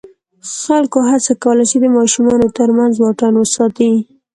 خلکو هڅه کوله چې د ماشومانو تر منځ واټن وساتي.